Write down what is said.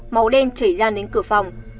màu đen chảy ra đến cửa phòng